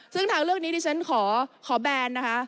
ซึ่งทางเลือกนี้ดิฉันขอแบนนะคะ